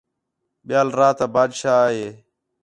ٻِیال راتا بادشاہ آ ہے